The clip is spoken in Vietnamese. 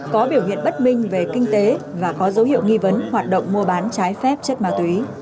có biểu hiện bất minh về kinh tế và có dấu hiệu nghi vấn hoạt động mua bán trái phép chất ma túy